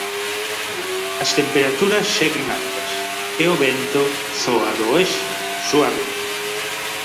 As temperaturas seguen altas e o vento zoa do oeste, suave.